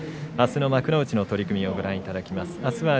あすの幕内の取組をご覧いただきます。